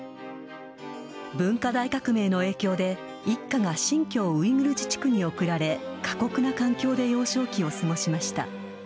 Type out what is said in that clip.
文化大革命の影響で一家が新疆ウイグル自治区に送られ、過酷な環境で幼少期を過ごしました。